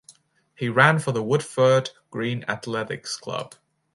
He ran for the Woodford Green Athletics Club.